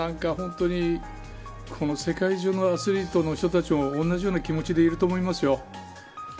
本当に世界中のアスリートの人たちも同じような気持ちでいると思いますよ。